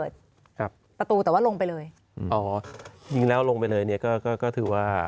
อ๋อจริงแล้วลงไปเลยเนี่ยก็คือว่า